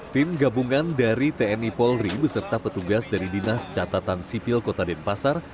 tim gabungan dari tni polri beserta petugas dari dinas catatan sipil kota denpasar